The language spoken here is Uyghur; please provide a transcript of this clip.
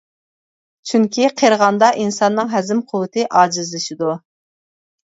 چۈنكى قېرىغاندا ئىنساننىڭ ھەزىم قۇۋۋىتى ئاجىزلىشىدۇ.